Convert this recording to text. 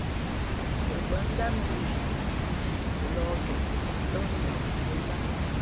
Ǒ bά ndát mʉ̄ᾱnzhi o lα̌h keꞌ, ndάh ndak tᾱ ndát.